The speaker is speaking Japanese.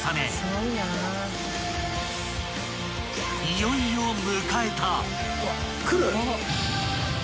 ［いよいよ迎えた］